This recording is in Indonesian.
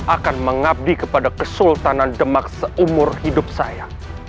akan mengabdi kepada kesultanan demak seumur hidup saya